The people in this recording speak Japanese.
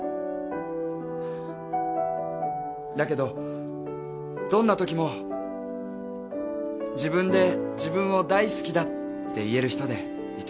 だけどどんなときも自分で自分を大好きだって言える人でいてほしいです。